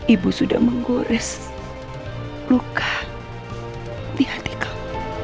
ibu sudah menggores luka di hati kau